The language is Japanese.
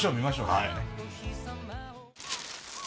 はい。